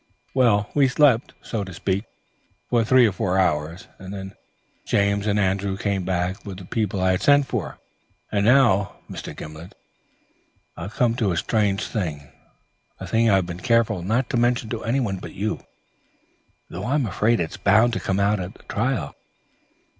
"Well, we slept, to speak for myself, for three or four hours, and then James and Andrew came back with the people I had sent for. And now, Mr. Gimblet, I come to a strange thing, a thing I've been careful not to mention to anyone but you, though I'm afraid it's bound to come out at the trial.